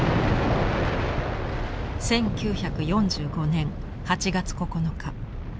１９４５年８月９日。